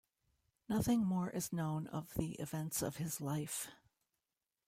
Nothing more is known of the events of his life.